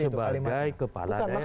itu bukan sebagai kepala daerah